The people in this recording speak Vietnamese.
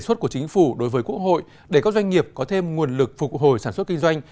đề xuất của chính phủ đối với quốc hội để các doanh nghiệp có thêm nguồn lực phục hồi sản xuất kinh doanh